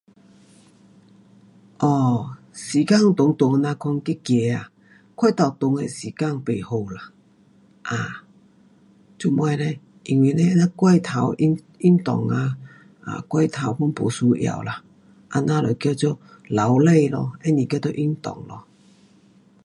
哦，时间在路这样讲去走过头久的时间不好啦。um 做么嘞？因为你过头运，运动啊，um 过头 pun 没需要啦。那样就叫做劳累咯，不是叫做运动咯。